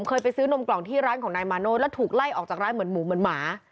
เคยไปซื้อนมกล่องที่ร้านของนายมาโน่แล้วถูกไล่ออกจากร้านเหมือนหมูเหมือนหมา